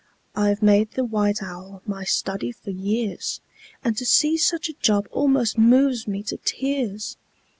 I've made the white owl my study for years, And to see such a job almost moves me to tears!